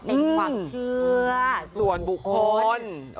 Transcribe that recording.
เป็นความเชื่อส่วนบุคคล